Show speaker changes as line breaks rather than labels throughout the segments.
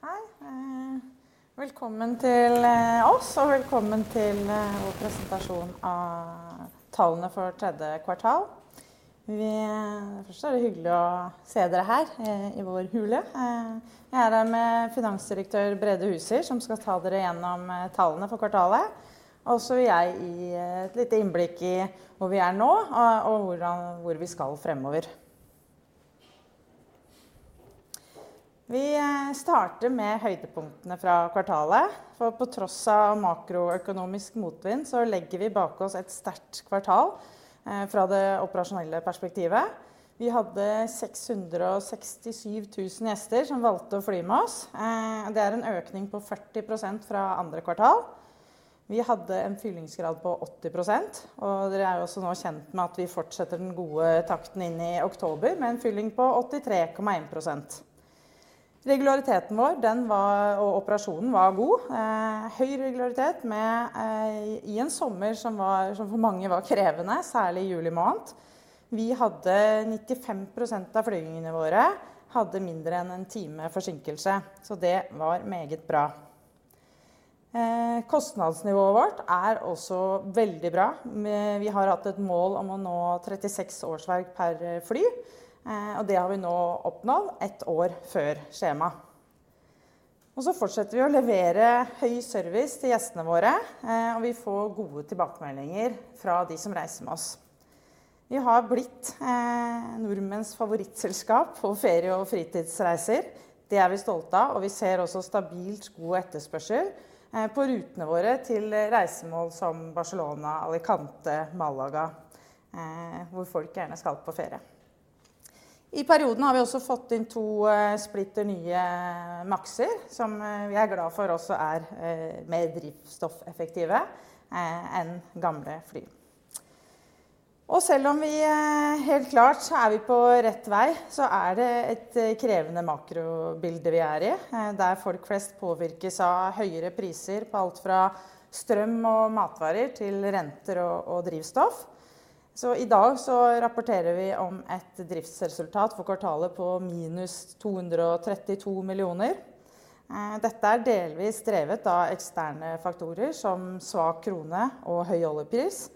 Hei! Velkommen til oss og velkommen til vår presentasjon av tallene for tredje kvartal. Først er det hyggelig å se dere her i vår hule. Jeg er her med Finansdirektør Brede Huser, som skal ta dere gjennom tallene for kvartalet. Så vil jeg gi et lite innblikk i hvor vi er nå og hvordan vi skal fremover. Vi starter med høydepunktene fra kvartalet. For på tross av makroøkonomisk motvind så legger vi bak oss et sterkt kvartal fra det operasjonelle perspektivet. Vi hadde 667,000 gjester som valgte å fly med oss. Det er en økning på 40% fra andre kvartal. Vi hadde en fyllingsgrad på 80%, og dere er også nå kjent med at vi fortsetter den gode takten inn i oktober med en fylling på 83.1%. Regulariteten vår og operasjonen var god. Høy regularitet i en sommer som for mange var krevende, særlig i juli måned. Vi hadde 95% av flygingene våre hadde mindre enn en time forsinkelse, så det var meget bra. Kostnadsnivået vårt er også veldig bra. Vi har hatt et mål om å nå 36 årsverk per fly, og det har vi nå oppnådd 1 år før skjema. Fortsetter vi å levere høy service til gjestene våre, og vi får gode tilbakemeldinger fra de som reiser med oss. Vi har blitt nordmenns favoritt selskap på ferie- og fritidsreiser. Det er vi stolte av, og vi ser også stabilt god etterspørsel på rutene våre til reisemål som Barcelona, Alicante, Málaga hvor folk gjerne skal på ferie. I perioden har vi også fått inn 2 splinter nye MAXer som vi er glade for også er mer drivstoffeffektive enn gamle fly. Selv om vi helt klart så er vi på rett vei, så er det et krevende makrobilde vi er i, der folk flest påvirkes av høyere priser på alt fra strøm og matvarer til renter og drivstoff. I dag så rapporterer vi om et driftsresultat for kvartalet på -232 millioner. Dette er delvis drevet av eksterne faktorer som svak krone og høy oljepris,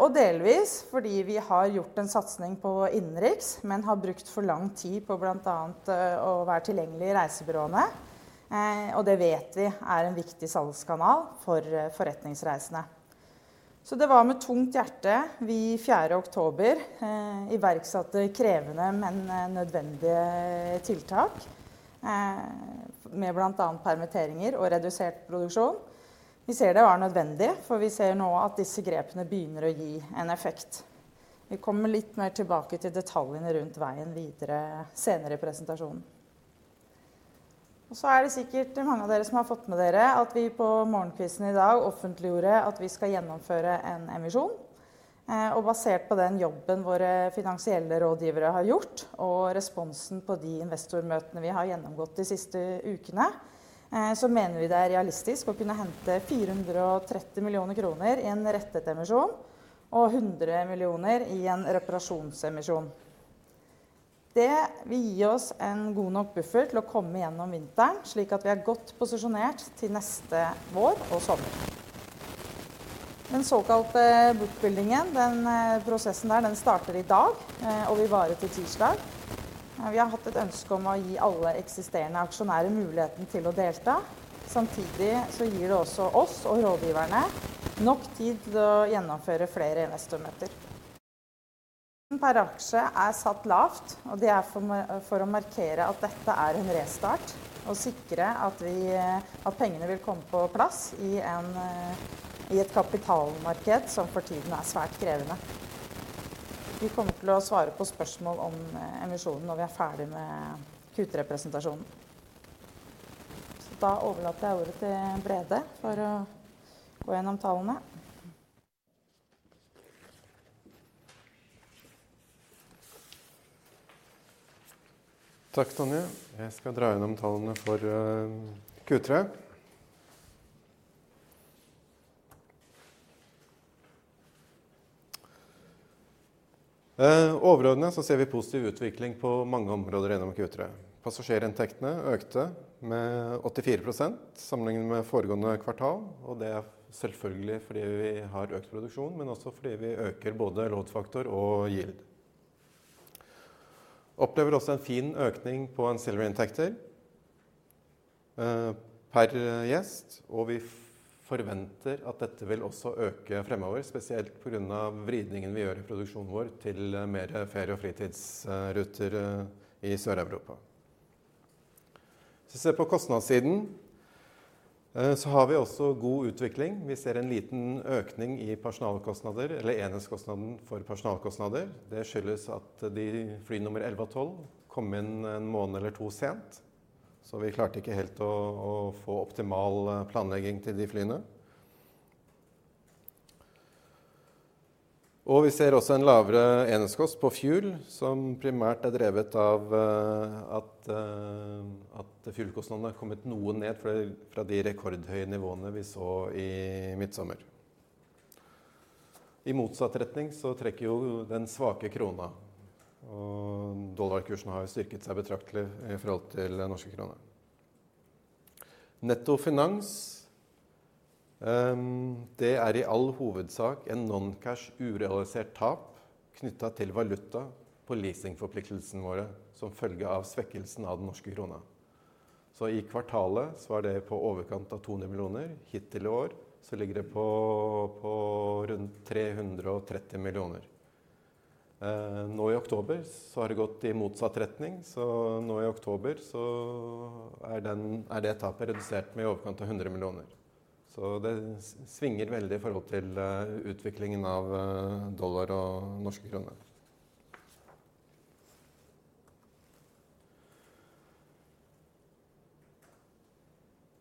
og delvis fordi vi har gjort en satsing på innenriks, men har brukt for lang tid på blant annet å være tilgjengelig i reisebyråene, og det vet vi er en viktig salgskanal for forretningsreisende. Det var med tungt hjerte vi 4. oktober iverksatte krevende, men nødvendige tiltak med blant annet permitteringer og redusert produksjon. Vi ser det var nødvendig, for vi ser nå at disse grepene begynner å gi en effekt. Vi kommer litt mer tilbake til detaljene rundt veien videre senere i presentasjonen. Det er sikkert mange av dere som har fått med dere at vi på Morgenkvisten i dag offentliggjorde at vi skal gjennomføre en emisjon, og basert på den jobben våre finansielle rådgivere har gjort og responsen på de investormøtene vi har gjennomgått de siste ukene, så mener vi det er realistisk å kunne hente 430 millioner kroner i en rettet emisjon og 100 millioner i en reparasjonsemisjon. Det vil gi oss en god nok buffer til å komme gjennom vinteren slik at vi er godt posisjonert til neste vår og sommer. Den såkalte bookbuilding, den prosessen der den starter i dag og vil vare til tirsdag. Vi har hatt et ønske om å gi alle eksisterende aksjonærer muligheten til å delta. Samtidig så gir det også oss og rådgiverne nok tid til å gjennomføre flere investormøter. Prisen per aksje er satt lavt, og det er for å markere at dette er en restart og sikre at pengene vil komme på plass i et kapitalmarked som for tiden er svært krevende. Vi kommer til å svare på spørsmål om emisjonen når vi er ferdig med Q3 presentasjonen. Overlater jeg ordet til Brede for å gå gjennom tallene.
Takk Tonje. Jeg skal dra gjennom tallene for Q3. Overordnet så ser vi positiv utvikling på mange områder innover Q3. Passasjerinntektene økte med 84% sammenlignet med foregående kvartal. Det er selvfølgelig fordi vi har økt produksjon, men også fordi vi øker både load faktor og yield. Opplever også en fin økning på ancillary inntekter per gjest, og vi forventer at dette vil også øke fremover, spesielt på grunn av vridningen vi gjør i produksjonen vår til mer ferie- og fritidsruter i Sør-Europa. Ser vi på kostnadssiden, så har vi også god utvikling. Vi ser en liten økning i personalkostnader eller enhetskostnaden for personalkostnader. Det skyldes at de flynummer 11 og 12 kom inn en måned eller to sent, så vi klarte ikke helt å få optimal planlegging til de flyene. Vi ser også en lavere enhetskost på fuel som primært er drevet av at fuelkostnadene har kommet noe ned fra de rekordhøye nivåene vi så i midtsommer. I motsatt retning så trekker jo den svake krona og dollarkursen har styrket seg betraktelig i forhold til den norske krona. Netto finans, det er i all hovedsak en non-cash urealisert tap knyttet til valuta på leasingforpliktelsene våre som følge av svekkelsen av den norske krona. Så i kvartalet var det på i overkant av 200 million. Hittil i år ligger det på rundt 330 million. Nå i oktober har det gått i motsatt retning. Så nå i oktober er det tapet redusert med i overkant av 100 million. Så det svinger veldig i forhold til utviklingen av dollar og norske kroner.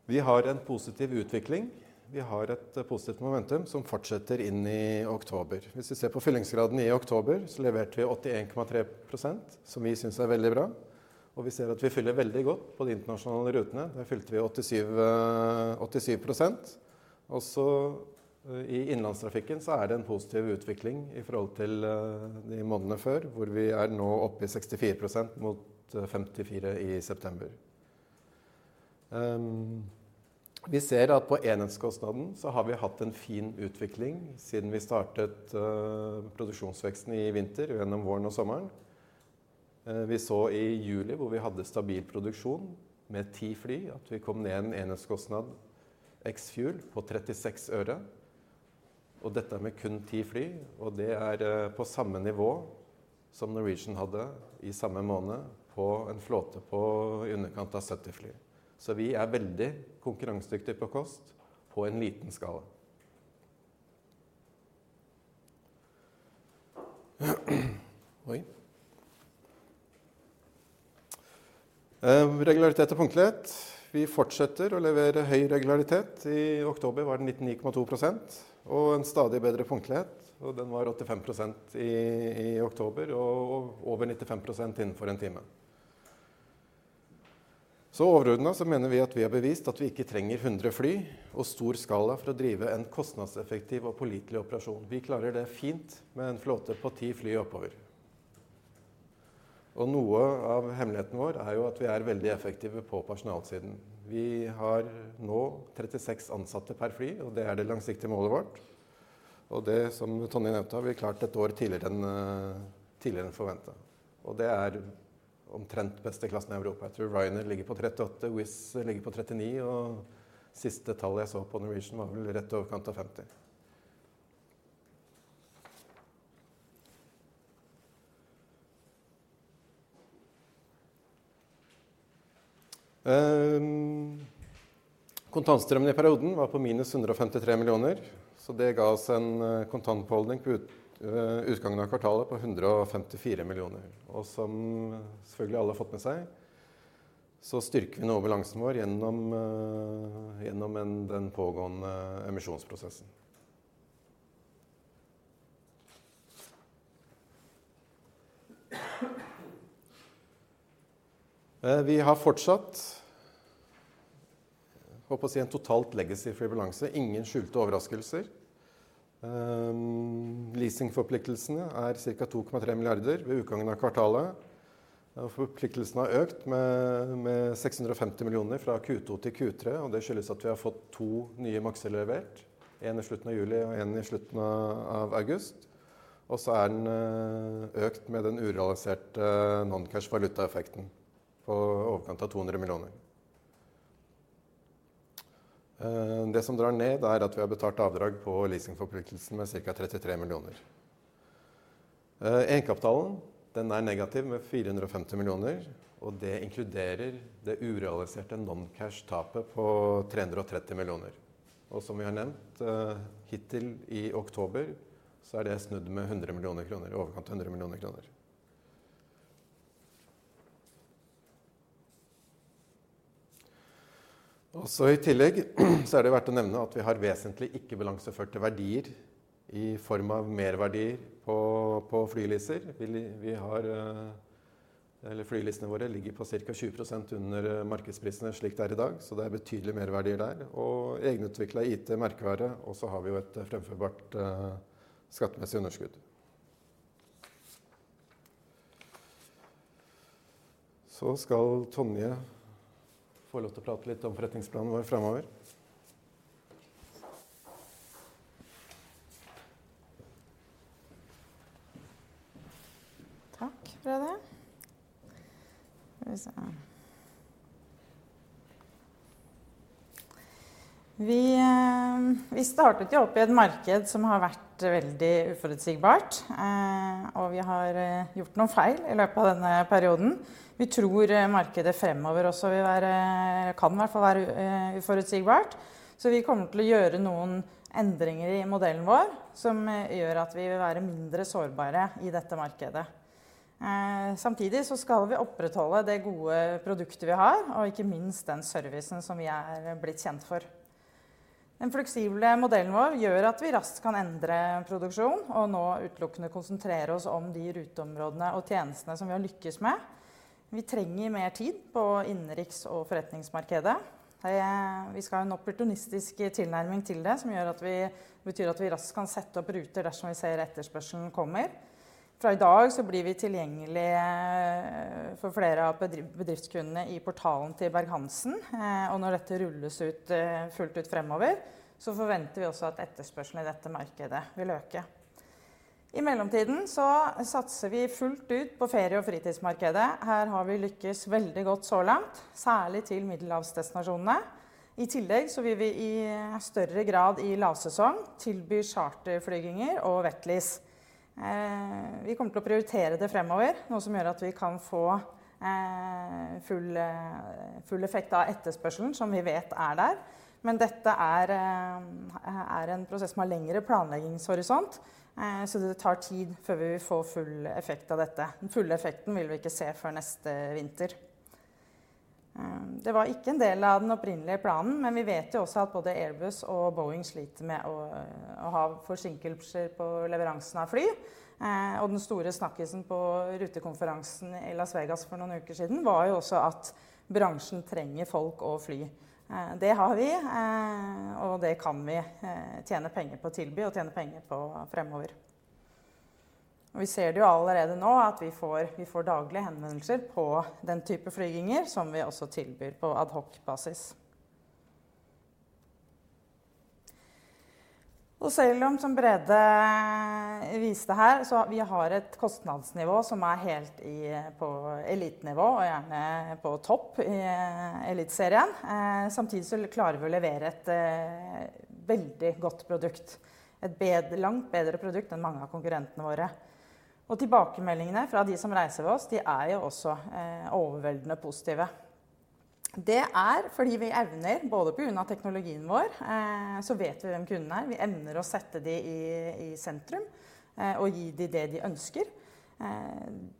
Vi har en positiv utvikling. Vi har et positivt momentum som fortsetter inn i oktober. Hvis vi ser på fyllingsgraden i oktober, så leverte vi 80.3% som vi synes er veldig bra, og vi ser at vi fyller veldig godt på de internasjonale rutene. Der fylte vi 87%. Også i innenlandstrafikken så er det en positiv utvikling i forhold til de månedene før, hvor vi er nå oppe i 64% mot 54% i september. Vi ser at på enhetskostnaden så har vi hatt en fin utvikling siden vi startet produksjonsveksten i vinter og gjennom våren og sommeren. Vi så i juli hvor vi hadde stabil produksjon med 10 fly, at vi kom ned en enhetskostnad ex fuel på 0.36. Dette med kun 10 fly, og det er på samme nivå som Norwegian hadde i samme måned på en flåte på i underkant av 70 fly. Vi er veldig konkurransedyktige på kost på en liten skala. Regularitet og punktlighet. Vi fortsetter å levere høy regularitet. I oktober var det 99.2% og en stadig bedre punktlighet. Den var 85% i oktober og over 95% innenfor en time. Overordnet mener vi at vi har bevist at vi ikke trenger 100 fly og stor skala for å drive en kostnadseffektiv og pålitelig operasjon. Vi klarer det fint med en flåte på 10 fly og oppover, og noe av hemmeligheten vår er jo at vi er veldig effektive på personalsiden. Vi har nå 36 ansatte per fly, og det er det langsiktige målet vårt. Det som Tonje nevnte har vi klart et år tidligere enn forventet. Det er omtrent beste klassen i Europa. Jeg tror Ryanair ligger på 38%, Wizz ligger på 33%, og siste tallet jeg så på Norwegian var vel rett i overkant av 50%. Kontantstrømmen i perioden var på -153 million, så det ga oss en kontantbeholdning ved utgangen av kvartalet på 154 million. Som selvfølgelig alle har fått med seg, så styrker vi nå balansen vår gjennom en den pågående emisjonsprosessen. Vi har fortsatt holdt på å si en totalt legacy fri balanse. Ingen skjulte overraskelser. Leasingforpliktelsene er cirka 2.3 billion ved utgangen av kvartalet, og forpliktelsene har økt med seks hundre og femti millioner fra Q2 til Q3. Det skyldes at vi har fått to nye MAXer levert, en i slutten av juli og en i slutten av august. Er den økt med den urealiserte non-cash valuta effekten på i overkant av NOK 200 million. Det som drar ned er at vi har betalt avdrag på leasingforpliktelsene med cirka 33 million. Egenkapitalen, den er negativ med 450 million, og det inkluderer det urealiserte non-cash tapet på 330 million. Som vi har nevnt hittil i oktober så er det snudd med 100 million kroner i overkant av 100 million kroner. I tillegg så er det verdt å nevne at vi har vesentlig ikke balanseførte verdier i form av merverdier på flyleasene. Vi har eller flyleasene våre ligger på cirka 20% under markedsprisen slik det er i dag, så det er betydelig merverdier der og egenutviklet IT merkevare. Har vi jo et fremførbart skattemessig underskudd. skal Tonje få lov til å prate litt om forretningsplanen vår fremover.
Takk, Brede. Skal vi se. Vi startet jo opp i et marked som har vært veldig uforutsigbart, og vi har gjort noen feil i løpet av denne perioden. Vi tror markedet fremover også vil være, kan i hvert fall være uforutsigbart. Vi kommer til å gjøre noen endringer i modellen vår som gjør at vi vil være mindre sårbare i dette markedet. Samtidig så skal vi opprettholde det gode produktet vi har, og ikke minst den servicen som vi er blitt kjent for. Den fleksible modellen vår gjør at vi raskt kan endre produksjon og nå utelukkende konsentrere oss om de ruteområdene og tjenestene som vi har lykkes med. Vi trenger mer tid på innenriks og forretningsmarkedet. Vi skal ha en opportunistisk tilnærming til det som betyr at vi raskt kan sette opp ruter dersom vi ser etterspørselen kommer. Fra i dag så blir vi tilgjengelig for flere av bedriftskundene i portalen til Berg-Hansen. Når dette rulles ut fullt ut fremover, så forventer vi også at etterspørselen i dette markedet vil øke. I mellomtiden så satser vi fullt ut på ferie- og fritidsmarkedet. Her har vi lykkes veldig godt så langt, særlig til middelhavsdestinasjonene. I tillegg så vil vi i større grad i lavsesong tilby charterflygninger og wet lease. Vi kommer til å prioritere det fremover, noe som gjør at vi kan få full effekt av etterspørselen som vi vet er der. Dette er en prosess som har lengre planleggingshorisont, så det tar tid før vi vil få full effekt av dette. Den fulle effekten vil vi ikke se før neste vinter. Det var ikke en del av den opprinnelige planen, men vi vet jo også at både Airbus og Boeing sliter med å ha forsinkelser på leveransen av fly. Den store snakkisen på rutekonferansen i Las Vegas for noen uker siden var jo også at bransjen trenger folk og fly. Det har vi, og det kan vi tjene penger på å tilby og tjene penger på fremover. Vi ser det jo allerede nå at vi får daglige henvendelser på den type flygninger som vi også tilbyr på ad hoc basis. Selv om Brede viste her, så vi har et kostnadsnivå som er helt på elitenivå og gjerne på topp i eliteserien. Samtidig så klarer vi å levere et veldig godt produkt, et langt bedre produkt enn mange av konkurrentene våre. Tilbakemeldingene fra de som reiser med oss, de er jo også overveldende positive. Det er fordi vi evner både på grunn av teknologien vår, så vet vi hvem kunden er. Vi evner å sette de i sentrum og gi de det de ønsker.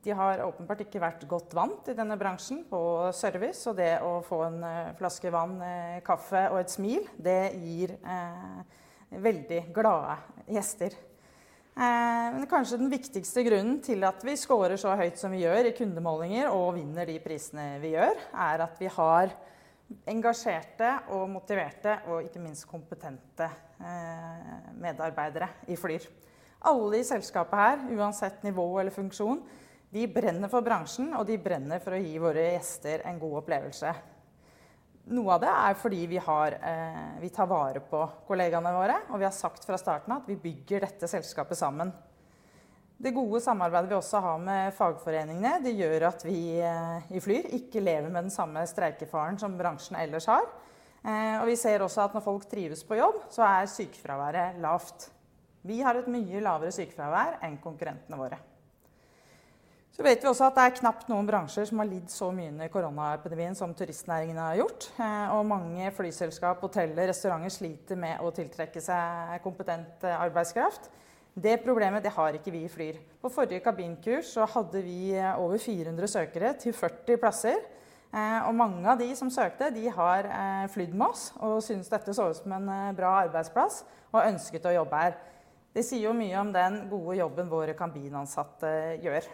De har åpenbart ikke vært godt vant i denne bransjen på service, og det å få en flaske vann, kaffe og et smil, det gir veldig glade gjester. Men kanskje den viktigste grunnen til at vi skårer så høyt som vi gjør i kundemålinger og vinner de prisene vi gjør, er at vi har engasjerte og motiverte og ikke minst kompetente, medarbeidere i Flyr. Alle i selskapet her, uansett nivå eller funksjon. De brenner for bransjen og de brenner for å gi våre gjester en god opplevelse. Noe av det er fordi vi har, vi tar vare på kollegaene våre, og vi har sagt fra starten av at vi bygger dette selskapet sammen. Det gode samarbeidet vi også har med fagforeningene. Det gjør at vi i Flyr ikke lever med den samme streikefaren som bransjen ellers har. Vi ser også at når folk trives på jobb, så er sykefraværet lavt. Vi har et mye lavere sykefravær enn konkurrentene våre. Vet vi også at det er knapt noen bransjer som har lidd så mye under koronaepidemien som turistnæringen har gjort. Mange flyselskap, hoteller og restauranter sliter med å tiltrekke seg kompetent arbeidskraft. Det problemet, det har ikke vi i Flyr. På forrige kabinkurs så hadde vi over 400 søkere til 40 plasser, og mange av de som søkte de har flydd med oss og synes dette så ut som en bra arbeidsplass og ønsket å jobbe her. Det sier jo mye om den gode jobben våre kabinansatte gjør.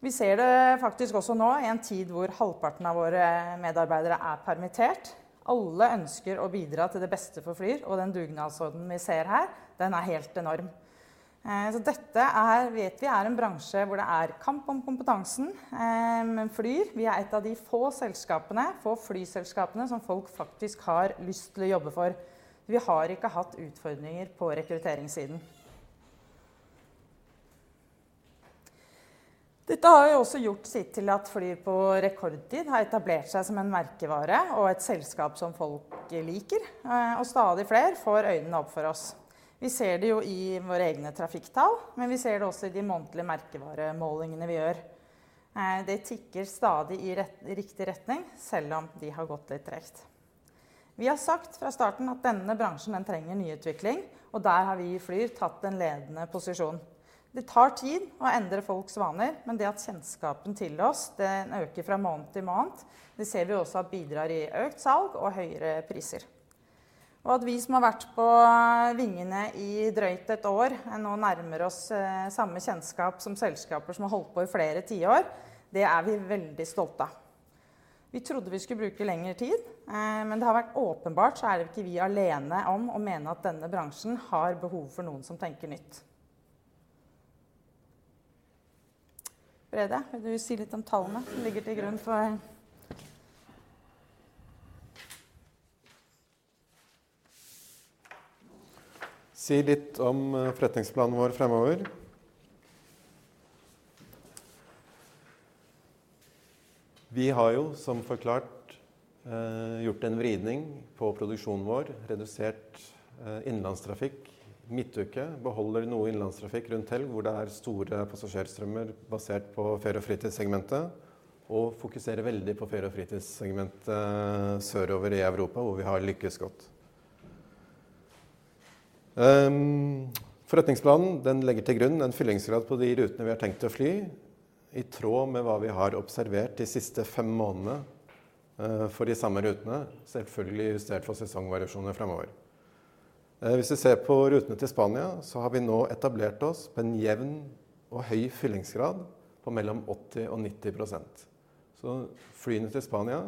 Vi ser det faktisk også nå i en tid hvor halvparten av våre medarbeidere er permittert. Alle ønsker å bidra til det beste for Flyr og den dugnadsånden vi ser her, den er helt enorm. Dette er, vet vi, en bransje hvor det er kamp om kompetansen. Flyr, vi er et av de få selskapene for flyselskapene som folk faktisk har lyst til å jobbe for. Vi har ikke hatt utfordringer på rekrutteringssiden. Dette har jo også gjort sitt til at Flyr på rekordtid har etablert seg som en merkevare og et selskap som folk liker. Stadig flere får øynene opp for oss. Vi ser det jo i våre egne trafikktall, men vi ser det også i de månedlige merkevaremålingene vi gjør. Det tikker stadig i riktig retning, selv om de har gått litt tregt. Vi har sagt fra starten at denne bransjen, den trenger nyutvikling, og der har vi i Flyr tatt en ledende posisjon. Det tar tid å endre folks vaner, men det at kjennskapen til oss, den øker fra måned til måned. Det ser vi også at bidrar i økt salg og høyere priser. At vi som har vært på vingene i drøyt ett år nå nærmer oss samme kjennskap som selskaper som har holdt på i flere tiår. Det er vi veldig stolte av. Vi trodde vi skulle bruke lengre tid, men det har vært åpenbart, så er det ikke vi alene om å mene at denne bransjen har behov for noen som tenker nytt. Brede, vil du si litt om tallene som ligger til grunn for...
Si litt om forretningsplanen vår fremover. Vi har jo som forklart, gjort en vridning på produksjonen vår, redusert innenlandstrafikk midtuke, beholder noe innenlandstrafikk rundt helg hvor det er store passasjerstrømmer basert på ferie og fritidssegmentet, og fokuserer veldig på ferie og fritidssegmentet sørover i Europa hvor vi har lykkes godt. Forretningsplanen den legger til grunn en fyllingsgrad på de rutene vi har tenkt å fly, i tråd med hva vi har observert de siste 5 månedene, for de samme rutene, selvfølgelig justert for sesongvariasjoner fremover. Hvis vi ser på rutene til Spania, så har vi nå etablert oss på en jevn og høy fyllingsgrad på mellom 80%-90%. Så flyene til Spania,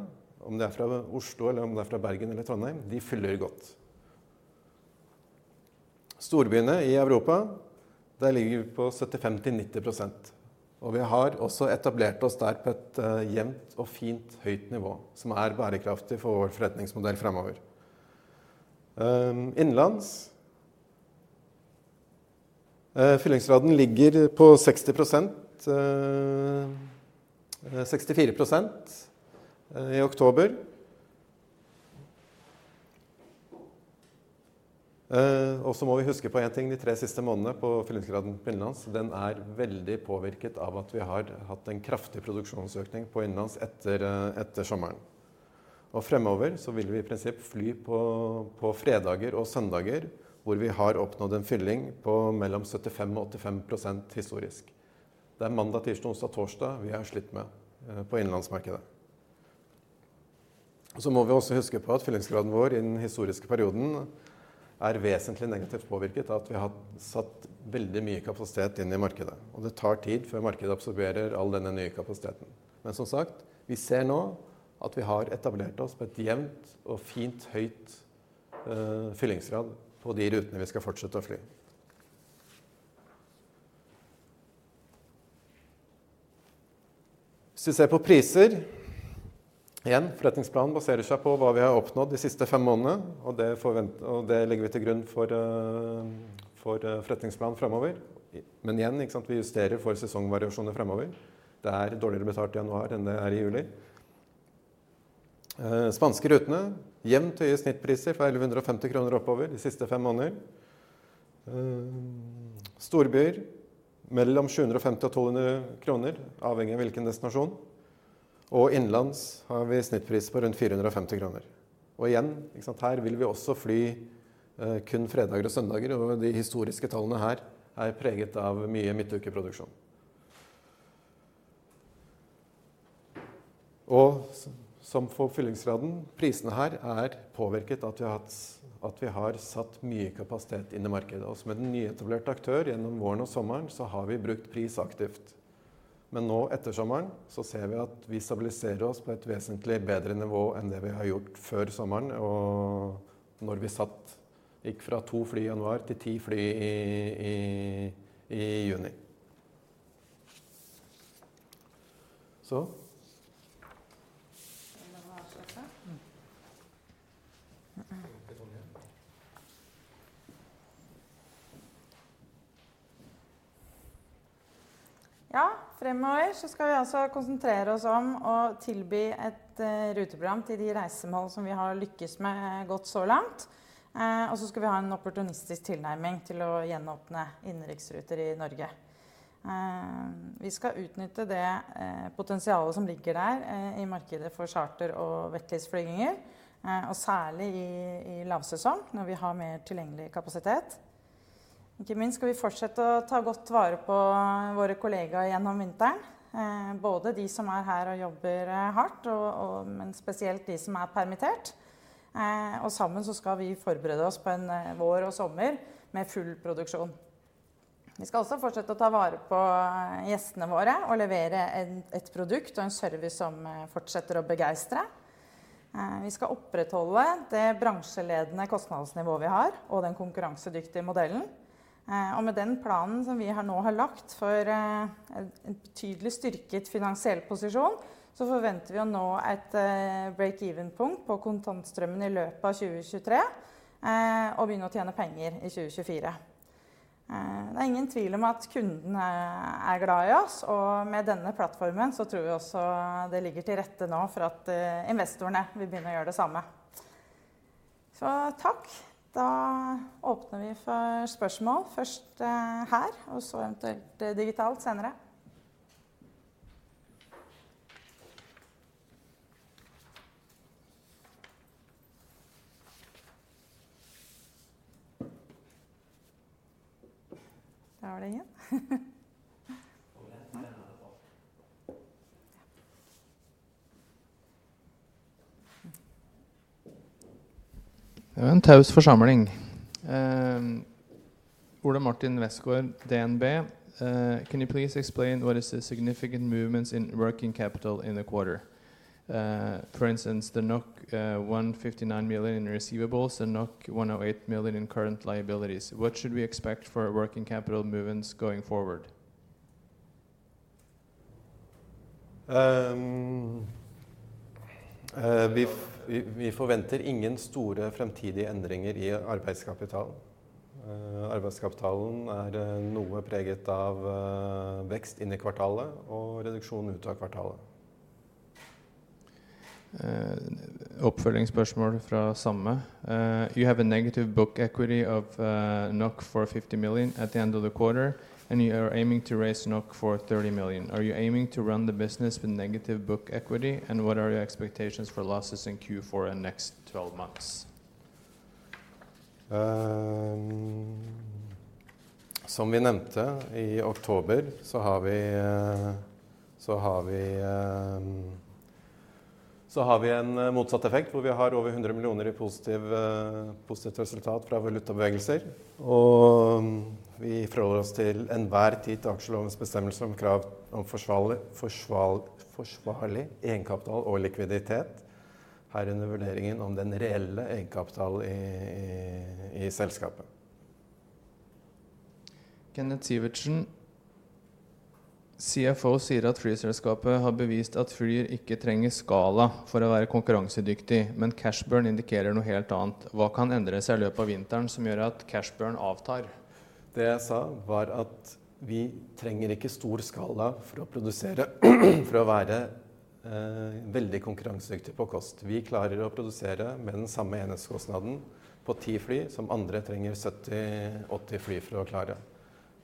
om det er fra Oslo eller om det er fra Bergen eller Trondheim, de fyller godt. Storbyene i Europa. Der ligger vi på 75-90%, og vi har også etablert oss der på et jevnt og fint høyt nivå som er bærekraftig for vår forretningsmodell fremover. Innenlands, fyllingsgraden ligger på 60%, 64% i oktober. Også må vi huske på en ting de 3 siste månedene på fyllingsgraden innenlands. Den er veldig påvirket av at vi har hatt en kraftig produksjonsøkning på innenlands etter sommeren, og fremover så vil vi i prinsipp fly på fredager og søndager hvor vi har oppnådd en fylling på mellom 75 og 85% historisk. Det er mandag, tirsdag, onsdag, torsdag vi har slitt med på innenlandsmarkedet. Må vi også huske på at fyllingsgraden vår i den historiske perioden er vesentlig negativt påvirket av at vi har satt veldig mye kapasitet inn i markedet, og det tar tid før markedet absorberer all denne nye kapasiteten. Men som sagt, vi ser nå at vi har etablert oss på et jevnt og fint høyt fyllingsgrad på de rutene vi skal fortsette å fly. Hvis vi ser på priser, igjen forretningsplanen baserer seg på hva vi har oppnådd de siste fem månedene, og det legger vi til grunn for forretningsplanen fremover. Men igjen ikke sant, vi justerer for sesongvariasjoner fremover. Det er dårligere betalt i januar enn det er i juli. Spanske rutene jevnt høye snittpriser fra 1,150 kroner oppover de siste fem måneder. Storbyer mellom 750 og 2,000 kroner, avhengig av hvilken destinasjon. Innenlands har vi en snittpris på rundt 450 kroner. Igjen ikke sant, her vil vi også fly kun fredager og søndager. De historiske tallene her er preget av mye midtuke produksjon. Som for fyllingsgraden, prisene her er påvirket av at vi har satt mye kapasitet inn i markedet og som en nyetablert aktør gjennom våren og sommeren så har vi brukt pris aktivt. Men nå etter sommeren så ser vi at vi stabiliserer oss på et vesentlig bedre nivå enn det vi har gjort før sommeren. Når vi gikk fra 2 fly i januar til 10 fly i juni. Så.
Det var det.
Telefonen ja.
Ja, fremover så skal vi altså konsentrere oss om å tilby et ruteprogram til de reisemål som vi har lykkes med godt så langt. Og så skal vi ha en opportunistisk tilnærming til å gjenåpne innenriksruter i Norge. Vi skal utnytte det potensialet som ligger der i markedet for charter og wet lease-flygninger, og særlig i lavsesong når vi har mer tilgjengelig kapasitet. Ikke minst skal vi fortsette å ta godt vare på våre kollegaer gjennom vinteren, både de som er her og jobber hardt og men spesielt de som er permittert. Og sammen så skal vi forberede oss på en vår og sommer med full produksjon. Vi skal også fortsette å ta vare på gjestene våre og levere et produkt og en service som fortsetter å begeistre. Vi skal opprettholde det bransjeledende kostnadsnivå vi har og den konkurransedyktige modellen. Med den planen som vi nå har lagt for en betydelig styrket finansiell posisjon, så forventer vi å nå et break-even punkt på kontantstrømmen i løpet av 2023. Begynne å tjene penger i 2024. Det er ingen tvil om at kundene er glad i oss, og med denne plattformen så tror vi også det ligger til rette nå for at investorene vil begynne å gjøre det samme. Takk. Åpner vi for spørsmål først her og så eventuelt digitalt senere. Der var det en.
Kommer jeg frem da? Ja. Det var en taus forsamling. Ole Martin Westgaard, DNB. Can you please explain what is the significant movements in working capital in the quarter? For instance the 159 million in receivables and 108 million in current liabilities. What should we expect for working capital movements going forward?
Vi forventer ingen store fremtidige endringer i arbeidskapital. Arbeidskapitalen er noe preget av vekst inn i kvartalet og reduksjon ut av kvartalet.
oppfølgingsspørsmål fra samme. You have a negative book equity of NOK 450 million at the end of the quarter, and you are aiming to raise NOK 430 million. Are you aiming to run the business with negative book equity, and what are your expectations for losses in Q4 and next twelve months?
Som vi nevnte i oktober, så har vi en motsatt effekt hvor vi har over 100 millioner i positivt resultat fra valutabevegelser, og vi forholder oss til enhver tid til aksjelovens bestemmelse om krav om forsvarlig egenkapital og likviditet, herunder vurderingen om den reelle egenkapitalen i selskapet.
Kenneth Sivertsen. CFO sier at flyselskapet har bevist at flyet ikke trenger skala for å være konkurransedyktig, men cash burn indikerer noe helt annet. Hva kan endre seg i løpet av vinteren som gjør at cash burn avtar?
Det jeg sa var at vi trenger ikke stor skala for å produsere for å være veldig konkurransedyktig på kost. Vi klarer å produsere med den samme enhetskostnaden på 10 fly som andre trenger 70-80 fly for å klare.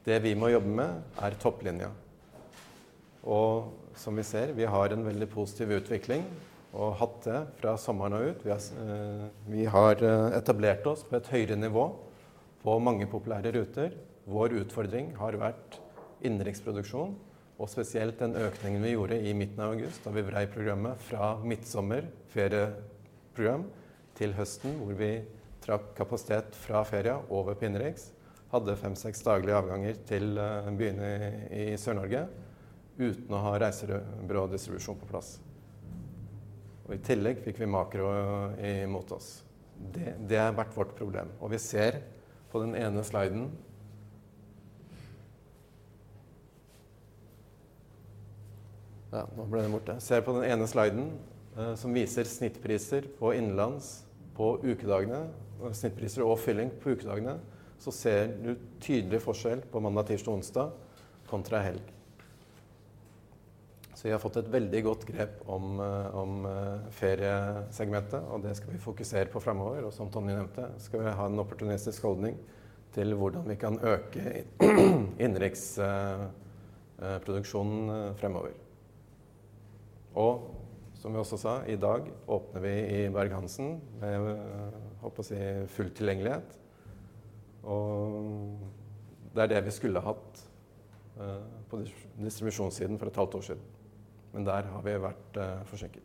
Det vi må jobbe med er topplinjen, og som vi ser vi har en veldig positiv utvikling og hatt det fra sommeren og ut. Vi har etablert oss på et høyere nivå på mange populære ruter. Vår utfordring har vært innenriksproduksjon og spesielt den økningen vi gjorde i midten av august da vi vrei programmet fra midtsommer ferieprogram til høsten, hvor vi trakk kapasitet fra ferier over på innenriks, hadde 5-6 daglige avganger til byene i Sør-Norge uten å ha reisebyrå distribusjon på plass. Og i tillegg fikk vi makro i mot oss. Det har vært vårt problem, og vi ser på den ene sliden. Ja, nå ble den borte. Ser på den ene sliden som viser snittpriser på innenlands på ukedagene og snittpriser og fylling på ukedagene. Ser du tydelig forskjell på mandag, tirsdag, onsdag kontra helg. Vi har fått et veldig godt grep om feriesegmentet, og det skal vi fokusere på fremover. Som Tonje nevnte skal vi ha en opportunistisk holdning til hvordan vi kan øke innenriksproduksjonen fremover. Som jeg også sa i dag åpner vi i Berg-Hansen med holdt jeg på å si full tilgjengelighet, og det er det vi skulle hatt på distribusjonssiden for et halvt år siden. Der har vi vært forsinket.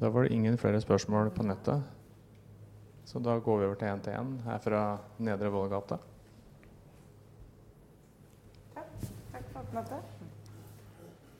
Da var det ingen flere spørsmål på nettet. Så da går vi over til en her fra Nedre Vollgate.
Takk. Takk for at jeg måtte.